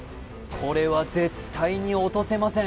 これは絶対に落とせません